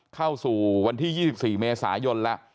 เข้าสู่วันที่๒๔เมษายนแล้ว